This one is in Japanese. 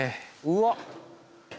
うわっ！